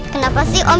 kenapa sih om